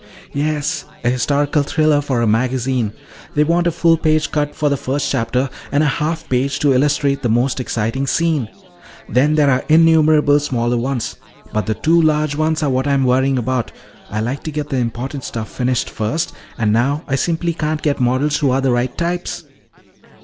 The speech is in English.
"Yes. A historical thriller for a magazine. They want a full page cut for the first chapter and a half page to illustrate the most exciting scene. Then there're innumerable smaller ones. But the two large ones are what I'm worrying about. I like to get the important stuff finished first, and now I simply can't get models who are the right types."